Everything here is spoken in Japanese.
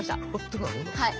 はい。